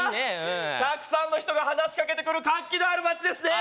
たくさんの人が話しかけてくる活気のある街ですね